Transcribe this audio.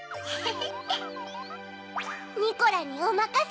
ニコラにおまかせ！